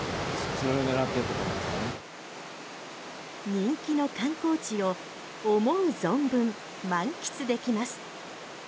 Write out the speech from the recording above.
人気の観光地を思う存分満喫できます。